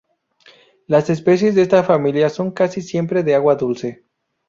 Las especies de esta familia son casi siempre de agua dulce.